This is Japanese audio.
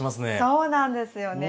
そうなんですよね。